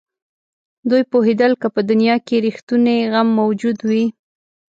دوی پوهېدل که په دنیا کې رښتونی غم موجود وي.